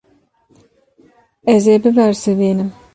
Ez ê bibersivînim.